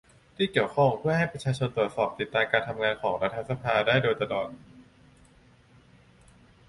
ที่เกี่ยวข้องเพื่อให้ประชาชนตรวจสอบติดตามการทำงานของรัฐสภาได้โดยตลอด